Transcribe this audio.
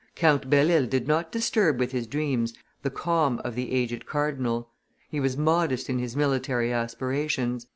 Count Belle Isle did not disturb with his dreams the calm of the aged cardinal; he was modest in his military aspirations.